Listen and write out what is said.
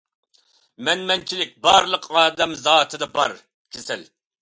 «مەنمەنچىلىك» بارلىق ئادەم زاتىدا بار كېسەل.